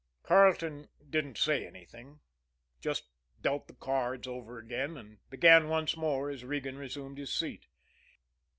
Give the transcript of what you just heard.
Carleton didn't say anything just dealt the cards over again, and began once more as Regan resumed his seat.